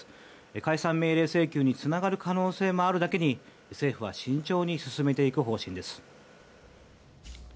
解散命令請求につながる可能性もあるだけに政府は慎重に進めていく方針です。